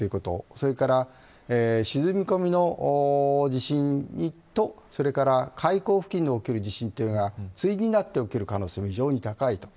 それから沈み込みの地震と海溝付近で起きる地震がついになって起きる可能性が非常に高いと。